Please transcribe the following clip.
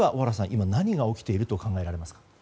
今、何が起きていると考えられますか。